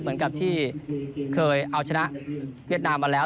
เหมือนกับที่เคยเอาชนะเวียดนามมาแล้ว